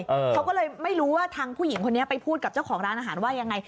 เขาก็เลยไม่รู้ว่าทางผู้หญิงคนนี้ไปพูดกับเจ้าของร้านอาหารว่ายังไง